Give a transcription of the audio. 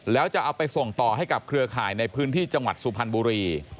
แล้วจะเอาไปส่งต่อให้กับเครือข่ายในพื้นที่จังหวัดสุพรรณบุรี